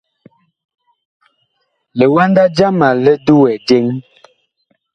Liwanda jama li duwɛ jeŋ.